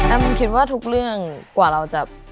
มันคิดว่าทุกเรื่องกว่าเราจะ